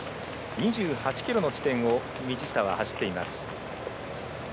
２８ｋｍの地点を道下は走っています。